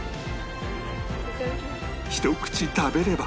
ひと口食べれば